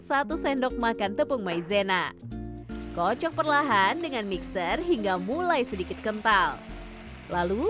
satu sendok makan tepung maizena kocok perlahan dengan mixer hingga mulai sedikit kental lalu